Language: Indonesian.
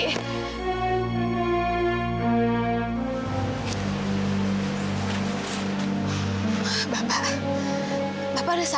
bapak bapak udah sadar